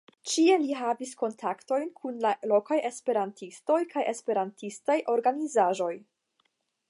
Ĉie li havis kontaktojn kun la lokaj esperantistoj kaj esperantistaj organizaĵoj.